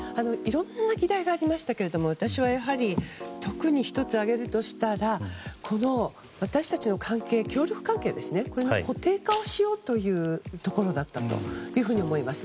いろいろな議題がありましたけども私は特に１つ挙げるとしたら協力関係を固定化しようというところだったと思います。